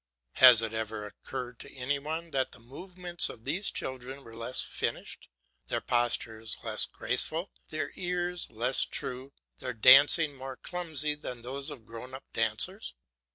Has it ever occurred to any one that the movements of these children were less finished, their postures less graceful, their ears less true, their dancing more clumsy than those of grown up dancers?